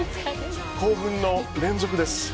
興奮の連続です。